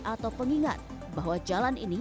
atau pengingat bahwa jalan ini